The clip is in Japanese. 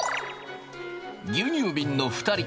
牛乳びんの２人。